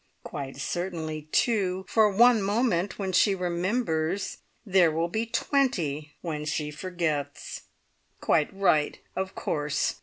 Quite certainly, too, for one moment when she remembers, there will be twenty when she forgets. Quite right, of course!